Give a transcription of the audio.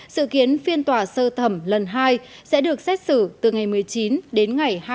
sự kiến phiên tòa sơ thẩm lần hai sẽ được xét xử từ ngày một mươi chín đến ngày hai mươi tháng chín